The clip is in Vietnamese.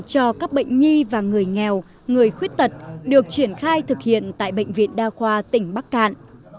cho các bệnh nhi và người nghèo người khuyết tật được triển khai thực hiện tại bệnh viện đa khoa tỉnh bắc cạn